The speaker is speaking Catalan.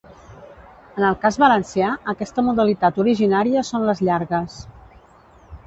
En el cas valencià, aquesta modalitat originària són les Llargues.